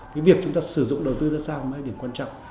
cái việc chúng ta sử dụng đầu tư ra sao mới là điểm quan trọng